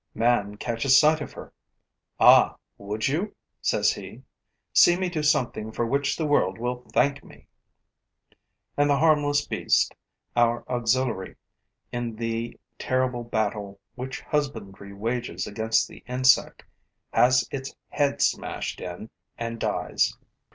Man catches sight of her: 'Ah, would you?' says he. 'See me do something for which the world will thank me!' And the harmless beast, our auxiliary in the terrible battle which husbandry wages against the insect, has its head smashed in and dies.